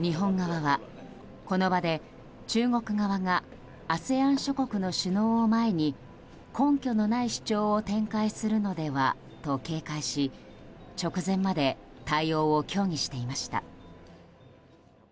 日本側は、この場で中国側がＡＳＥＡＮ諸国の首脳を前に根拠のない主張を展開するのではと警戒し直前まで対応を協議していました。